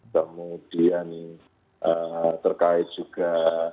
kemudian terkait juga